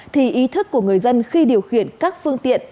thì ý thức của người dân khi điều khiển các phương tiện